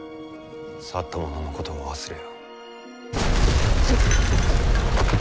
去った者のことは忘れよ。